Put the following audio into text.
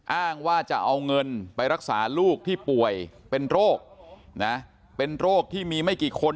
อ้างว่าจะเอาเงินไปรักษาลูกที่ป่วยเป็นโรคนะเป็นโรคที่มีไม่กี่คน